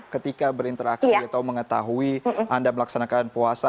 ketika berinteraksi atau mengetahui anda melaksanakan puasa